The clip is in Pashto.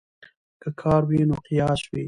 که کار وي نو قیاس وي.